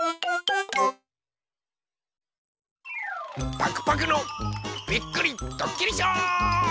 パクパクのびっくりどっきりショー！